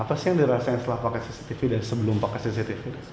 apa sih yang dirasain setelah pakai cctv dan sebelum pakai cctv